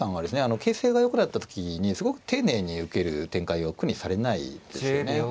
形勢がよくなった時にすごく丁寧に受ける展開を苦にされないですよね。